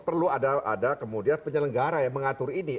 perlu ada kemudian penyelenggara yang mengatur ini